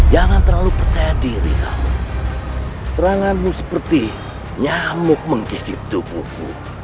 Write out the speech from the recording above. jangan terlalu percaya diri seranganmu seperti nyamuk menggigit tubuhku